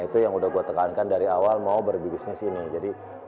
itu yang sudah saya tekan dari awal mau berbisnis ini